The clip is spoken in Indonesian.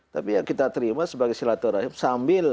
tapi ya kita terima sebagai silaturahim sambil